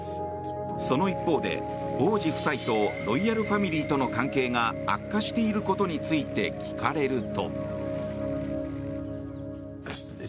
その一方で、王子夫妻とロイヤルファミリーとの関係が悪化していることについて聞かれると。